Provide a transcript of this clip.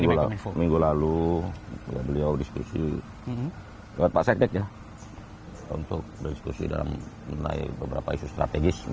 seminggu lalu beliau diskusi dengan pak setnek untuk berdiskusi dalam beberapa isu strategis